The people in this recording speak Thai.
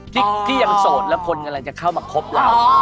ที่ยังโสดแล้วคนกำลังจะเข้ามาคบเรา